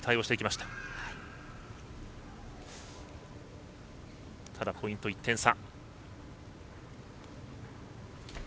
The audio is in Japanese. ただ、ポイント１点差。